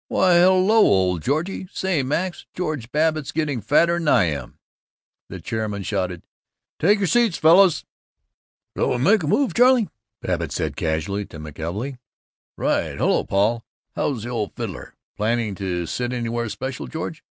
Why, hello, old Georgie! Say, Max, George Babbitt is getting fatter than I am!" The chairman shouted, "Take your seats, fellows!" "Shall we make a move, Charley?" Babbitt said casually to McKelvey. "Right. Hello, Paul! How's the old fiddler? Planning to sit anywhere special, George?